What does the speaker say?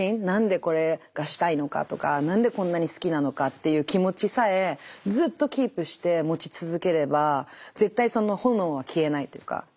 何でこれがしたいのかとか何でこんなに好きなのかっていう気持ちさえずっとキープして持ち続ければ絶対その炎は消えないというか。